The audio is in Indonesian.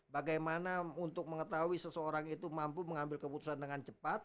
bagaimana untuk mengetahui seseorang itu mampu mengambil keputusan dengan cepat